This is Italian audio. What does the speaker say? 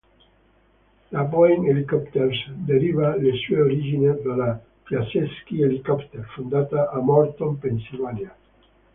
La Boeing Helicopters deriva le sue origini dalla Piasecki Helicopter fondata a Morton, Pennsylvania.